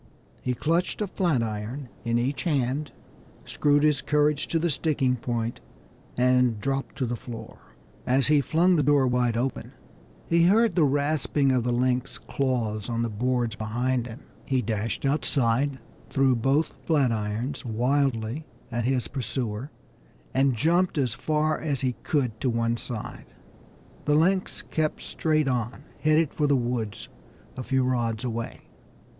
He clutched a flat iron in each hand, screwed his courage to the sticking point, and dropped to the floor. As he flung the door wide open, he heard the rasping of the lynx's claws on the boards behind him. He dashed outside, threw both flat irons wildly at his pursuer, and jumped as far as he could to one side. The lynx kept straight on, headed for the woods a few rods away.